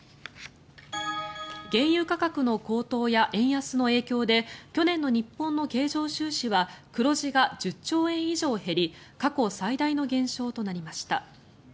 原油価格の高騰や円安の影響で去年の日本の経常収支は黒字が１０兆円以上減り過去最大の減少となりました。